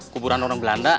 kuburan orang belanda